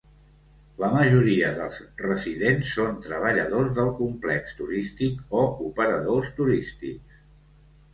La majoria dels residents són treballadors del complex turístic o operadors turístics.